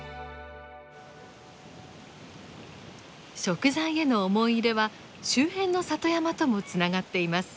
食材への思い入れは周辺の里山ともつながっています。